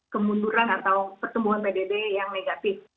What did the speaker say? kemunduran atau pertumbuhan pdb yang negatif